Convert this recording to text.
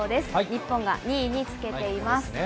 日本が２位につけています。